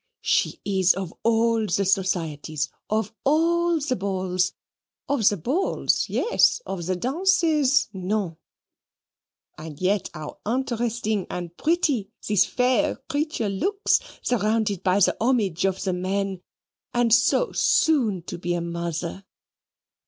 She is of all the societies, of all the balls of the balls yes of the dances, no; and yet how interesting and pretty this fair creature looks surrounded by the homage of the men, and so soon to be a mother!